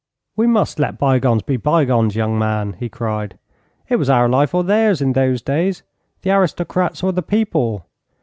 'We must let bygones be bygones, young man,' he cried. 'It was our life or theirs in those days: the aristocrats or the people.